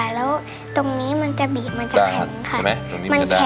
แล้วตรงนี้มันจะบีบมันจะแข็งค่ะใช่ไหมตรงนี้มันจะดาด